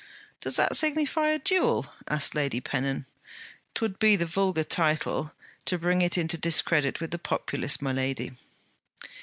'Does that signify a duel?' asked Lady Pennon. ''Twould be the vulgar title, to bring it into discredit with the populace, my lady.'